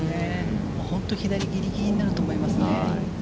本当に左ギリギリになると思いますね。